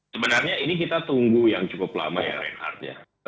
sebenarnya ini kita tunggu yang cukup lama ya renard